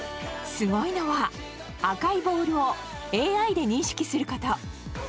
すごいのは赤いボールをＡＩで認識すること。